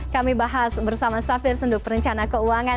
kami bahas bersama safir senduk perencana keuangan